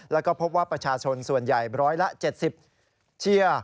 แล้วก็พบว่าประชาชนส่วนใหญ่๑๗๐เชียร์